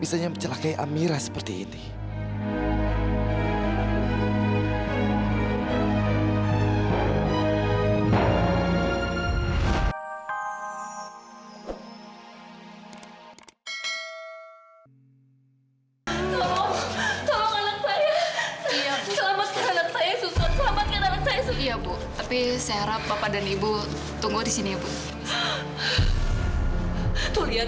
sampai jumpa di video selanjutnya